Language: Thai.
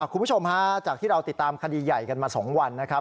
คุณผู้ชมฮะจากที่เราติดตามคดีใหญ่กันมา๒วันนะครับ